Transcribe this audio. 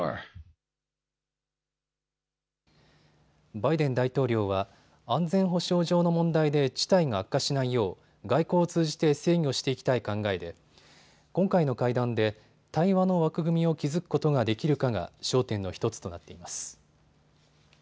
バイデン大統領は安全保障上の問題で事態が悪化しないよう外交を通じて制御していきたい考えで今回の会談で対話の枠組みを築くことができるかが焦点の１つとなっています。